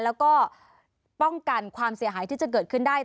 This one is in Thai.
แล้วก็ป้องกันความเสียหายที่จะเกิดขึ้นได้